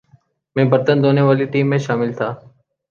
میں برتن دھونے والی ٹیم میں شامل تھا ۔